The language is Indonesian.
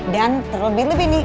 dan terlebih lebih nih